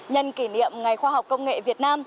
nhân kỷ niệm ngày khoa học công nghệ việt nam